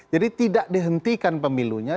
jadi tidak dihentikan pemilunya